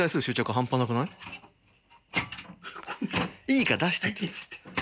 いいから出してって。